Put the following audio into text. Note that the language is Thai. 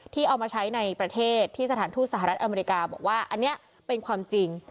เอามาใช้ในประเทศที่สถานทูตสหรัฐอเมริกาบอกว่าอันนี้เป็นความจริง